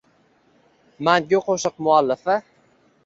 Mangu qo‘shiq muallifi